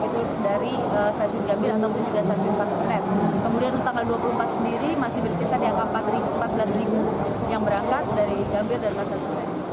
kemudian tanggal dua puluh empat sendiri masih berkesan yang empat belas yang berangkat dari jambir dan pasar senen